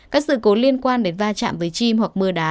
các sự cố liên quan đến va chạm với chim hoặc mưa đá